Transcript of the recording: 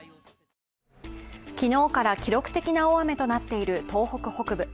昨日から記録的な大雨となっている東北北部。